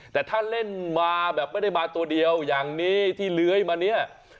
แต่ถ้าเล่นมาแบบไม่ได้มาตัวเดียวอย่างนี้ที่เลื้อยมาเนี่ย